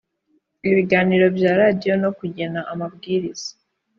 ibiganiro bya radiyo no kugena amabwiriza